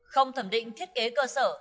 không thẩm định thiết kế cơ sở